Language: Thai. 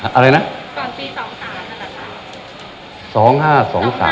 ก่อนปี๒๓นั่นหรอคะ